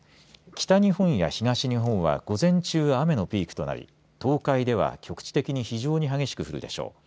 北日本や東日本は午前中、雨のピークとなり東海では局地的に非常に激しく降るでしょう。